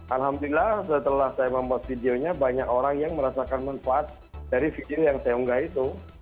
alhamdulillah setelah saya membuat videonya banyak orang yang merasakan manfaat dari video yang saya unggah itu